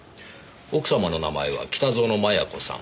奥様の名前は北薗摩耶子さん。